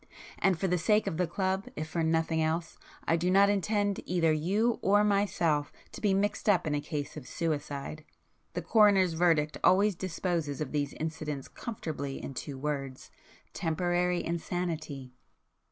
And for the sake of the club, if for nothing else, I do not intend either you or myself to be mixed up in a case of suicide. The coroner's verdict always disposes of these incidents comfortably in two words—'Temporary insanity.